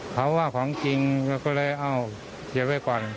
เขาว่าของจริงเราก็เลยเอาเก็บไว้ก่อน